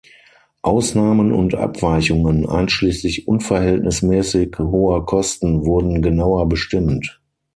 Ausnahmen und Abweichungen, einschließlich unverhältnismäßig hoher Kosten, wurden genauer bestimmt.